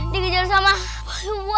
di gejar sama buaya